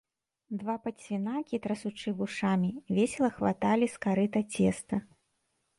Два падсвінакі, трасучы вушамі, весела хваталі з карыта цеста.